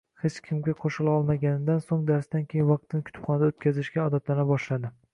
Hech kimga qo`shilolmaganidan so`ng darsdan keyin vaqtini kutubxonada o`tkazishga odatlana boshladi